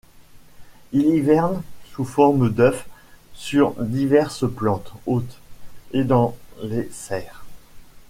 Ils hivernent sous forme d'œufs sur diverses plantes-hôtes et dans les serres.